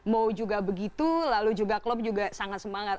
mau juga begitu lalu juga klub juga sangat semangat